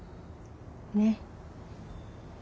ねっ。